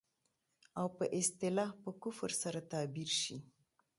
او په اصطلاح په کفر سره تعبير شي.